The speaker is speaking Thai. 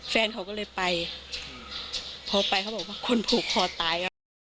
แฟนเขาก็เลยไปพอไปเขาบอกว่าคนผูกคอตายอ่ะ